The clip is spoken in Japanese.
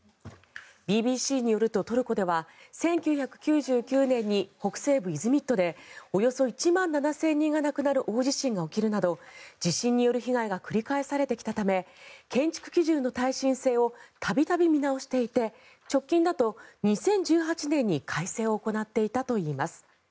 ＢＢＣによると、トルコでは１９９０年に北西部イズミットでおよそ１万７０００人が亡くなる大地震が起きるなど地震による被害が繰り返されてきたため建築基準の耐震性を度々、見直していて直近だと２０１８年に改正を行っていたといいます。